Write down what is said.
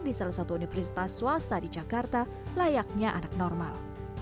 di salah satu universitas swasta di jakarta layaknya anak normal